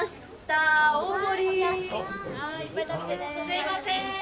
・すいません！